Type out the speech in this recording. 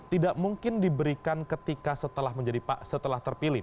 tidak mungkin diberikan ketika setelah terpilih